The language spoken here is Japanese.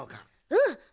うん。